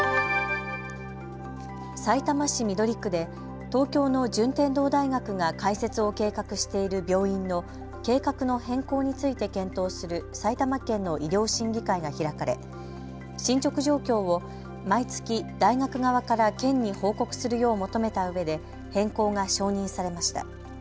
さいたま市緑区で東京の順天堂大学が開設を計画している病院の計画の変更について検討する埼玉県の医療審議会が開かれ進捗状況を毎月、大学側から県に報告するよう求めたうえで変更が承認されました。